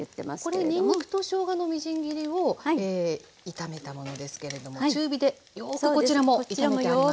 これにんにくとしょうがのみじん切りを炒めたものですけれども中火でよくこちらも炒めてありますね。